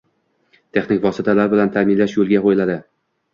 Texnik vositalar bilan taʼminlash yoʻlga qoʻyiladi